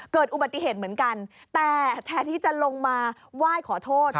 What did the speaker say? เกิดอุบัติเหตุเหมือนกันแต่แทนที่จะลงมาไหว้ขอโทษ